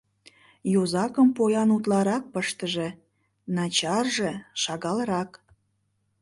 Йозакым поян утларак пыштыже, начарже — шагалрак.